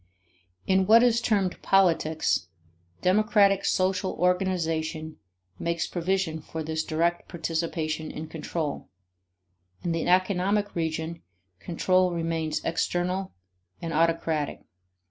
In what is termed politics, democratic social organization makes provision for this direct participation in control: in the economic region, control remains external and autocratic.